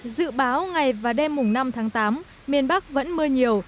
dự báo ngày và đêm năm tháng tám miền bắc vẫn mưa nhiều